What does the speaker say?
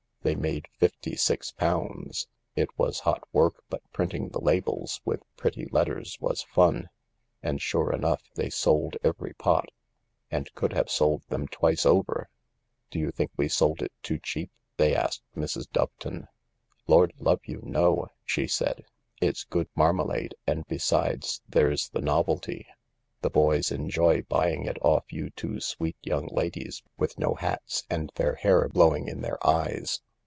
They made fifty six pounds. It was hot work, but printing the labels with pretty letters was fun. And, sure enough, they sold every pot. And could have sold them twice over. " Do you think we sold it too cheap ?" they asked Mrs, Doveton. " Lord love you, no !" she said. " It's good marmalade, and besides, there's the novelty ; the boys enjoy buying it off you two sweet young ladies with no hats and their hair THE LARK 51 blowing in their eyes.